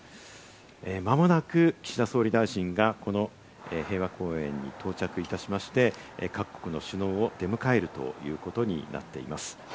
間もなく岸田総理大臣がこの平和公園に到着いたしまして、各国の首脳を出迎えるということになっています。